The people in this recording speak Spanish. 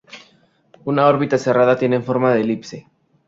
Una órbita cerrada tiene forma de elipse.